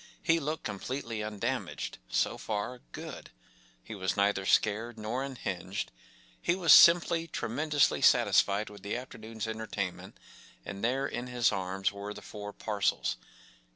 He looked completely undamaged—so far, good ; he was neither scared nor unhinged, he was simply tremendously satisfied with the afternoon’s entertainment, and there in his arms were the four parcels.